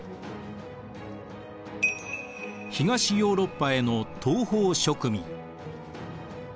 東ヨーロッパへの東方植民。